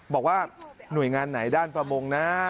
บอกว่าหน่วยงานไหนด้านประมงนะ